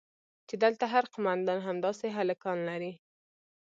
چې دلته هر قومندان همداسې هلکان لري.